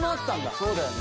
そうだよね。